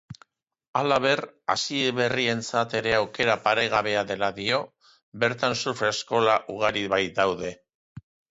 Halaber, hasiberrientzat ere aukera paregabea dela dio, bertan surf-eskola ugari baitaude.